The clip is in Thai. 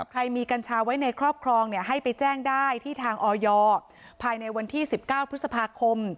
ใครมีกัญชาไว้ในครอบครองให้ไปแจ้งได้ที่ทางออยภายในวันที่๑๙พฤษภาคม